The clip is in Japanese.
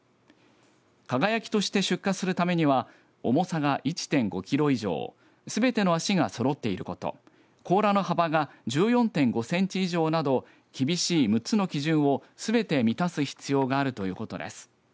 輝として出荷するためには重さが１．５キロ以上すべての脚がそろっていること甲羅の幅が１４．５センチ以上など厳しい６つの基準をすべて満たす必要があるということです。